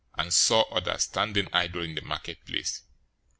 } and saw others standing idle in the marketplace.